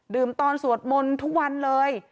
ตอนสวดมนต์ทุกวันเลย